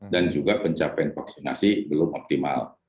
dan juga pencapaian vaksinasi belum optimal